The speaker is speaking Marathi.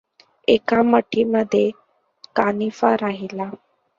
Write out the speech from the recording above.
एका मठीमध्यें कानिफा राहिला.